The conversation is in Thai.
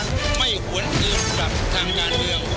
ไม่ควรเอาจับทางงานเดียว